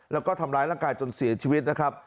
แล้วก็ทำร้ายร่างกายจนเสียชีวิตนะครับ